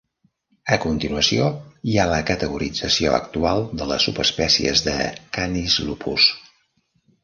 A continuació hi ha la categorització actual de les subespècies de "Canis lupus".